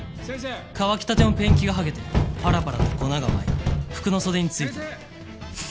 乾きたてのペンキが剥げてパラパラと粉が舞い服の袖に付いた。